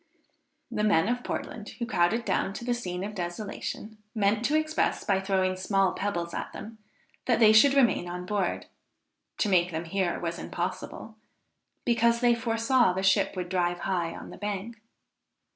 The men of Portland who crowded down to the scene of desolation, meant to express, by throwing small pebbles at them, that they should remain on board, to make them hear was impossible, because they foresaw the ship would drive high on the bank.